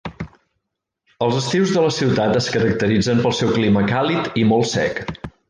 Els estius de la ciutat es caracteritzen pel seu clima càlid i molt sec.